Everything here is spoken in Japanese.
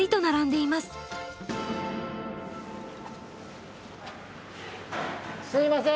あのすいません。